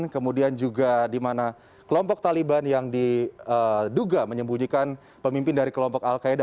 kemudian juga di mana kelompok taliban yang diduga menyembunyikan pemimpin dari kelompok al qaeda